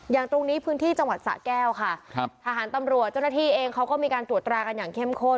อย่างตรงนี้พื้นที่จังหวัดสะแก้วค่ะครับทหารตำรวจเจ้าหน้าที่เองเขาก็มีการตรวจตรากันอย่างเข้มข้น